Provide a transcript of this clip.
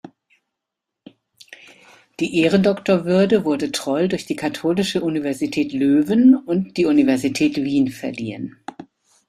Die Ehrendoktorwürde wurde Troll durch die Katholische Universität Löwen und die Universität Wien verliehen.